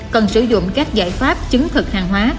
cần sử dụng các giải pháp chứng thực hàng hóa